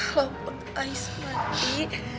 kalaupun ais mati